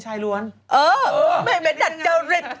เหม็นดัสจะริต